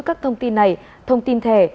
các thông tin này thông tin thẻ